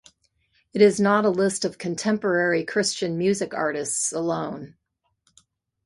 It is not a list of contemporary Christian music artists alone.